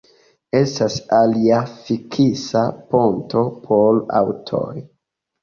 Estas alia fiksa ponto por aŭtoj.